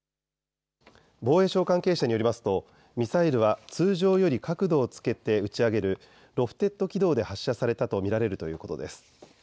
防衛省関係者によりますとミサイルは通常より角度をつけて打ち上げるロフテッド軌道で発射されたと見られるということです。